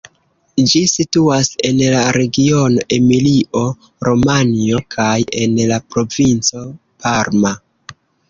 Ĝi situas en la regiono Emilio-Romanjo kaj en la provinco Parma.